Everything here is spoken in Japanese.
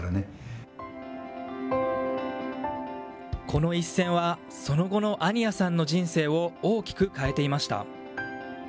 この一戦は、その後の安仁屋さんの人生を大きく変えていました。